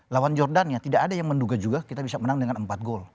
lawan jordania tidak ada yang menduga juga kita bisa menang dengan empat gol